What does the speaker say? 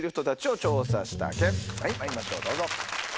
まいりましょうどうぞ。